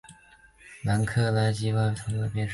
朗德洛河畔蒙泰涅人口变化图示